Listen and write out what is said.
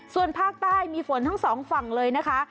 ส่วนภาคใต้มีฝนทั้งสองฝั่งเลยนะคะ